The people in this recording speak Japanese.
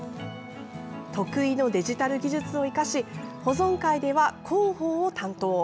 得意のデジタル技術を生かし保存会では広報を担当。